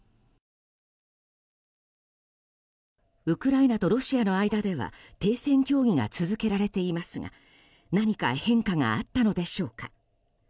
ウクライナとロシアの間では停戦協議が続けられていますが何か変化があったのでしょうか。